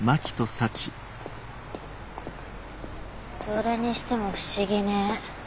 それにしても不思議ね。